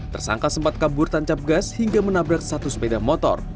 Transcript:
tersangka sempat kabur tancap gas hingga menabrak satu sepeda motor